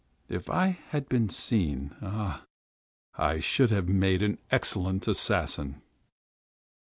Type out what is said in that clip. If I had been seen! Ah! ah! I should have made an excellent assassin.